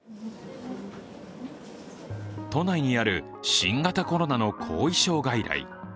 都内にある新型コロナの後遺症外来。